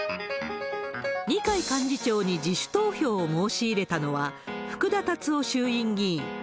二階幹事長に自主投票を申し入れたのは、福田達夫衆院議員。